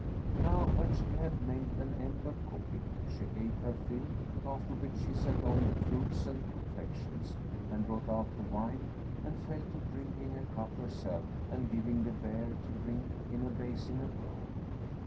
Now when she had made an end of cooking, she ate her fill, after which she set on the fruits and confections and brought out the wine and fell to drinking a cup herself and giving the bear to drink in a basin of gold.